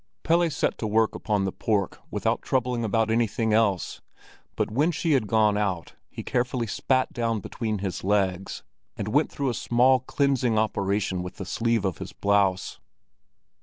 Pelle set to work upon the pork without troubling about anything else; but when she had gone out, he carefully spat down between his legs, and went through a small cleansing operation with the sleeve of his blouse.